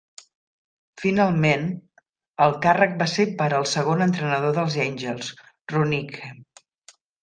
Finalment, el càrrec va ser per al segon entrenador dels Angels, Roenicke.